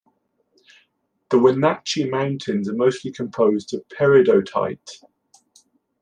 The Wenatchee Mountains are mostly composed of peridotite.